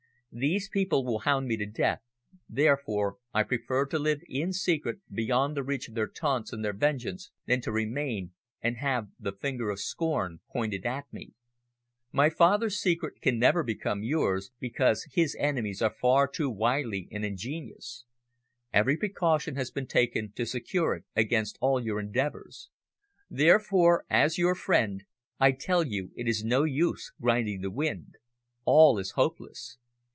These people will hound me to death, therefore I prefer to live in secret beyond the reach of their taunts and their vengeance than to remain and have the finger of scorn pointed at me. My father's secret can never become yours, because his enemies are far too wily and ingenious. Every precaution has been taken to secure it against all your endeavours. Therefore, as your friend I tell you it is no use grinding the wind. All is hopeless!